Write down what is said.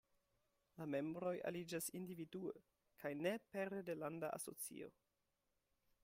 La membroj aliĝas individue, kaj ne pere de landa asocio.